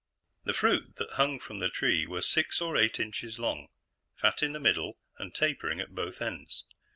The fruit that hung from the tree were six or eight inches long, fat in the middle, and tapering at both ends.